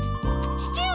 父上！